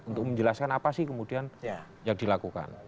untuk menjelaskan apa sih kemudian yang dilakukan